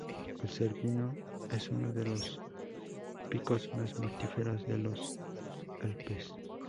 El Cervino es uno de los picos más mortíferos de los Alpes.